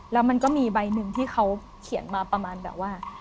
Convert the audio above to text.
แล้วมันก็มีใบหนึ่งที่เขาเขียนมาประมาณแบบว่า